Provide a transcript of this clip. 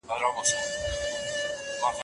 دا پروسه د مرکزي کنټرول خونې څخه په نښه کیږي.